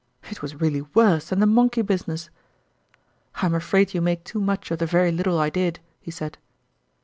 It was really worse than the monkey business !" I'm afraid you make too much of the very little I did," he said.